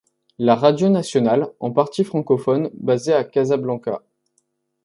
La Radio nationale, en partie francophone, basée à Casablanca.